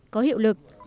có hiệu lực